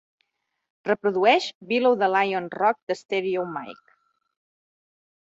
Reprodueix below the lion rock de stereo mike